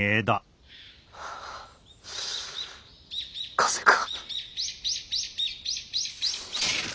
・風か。